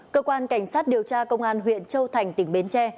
cơ quan cảnh sát điều tra công an huyện châu thành tỉnh bến tre